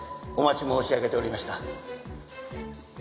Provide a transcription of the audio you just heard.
お待ち申し上げておりました。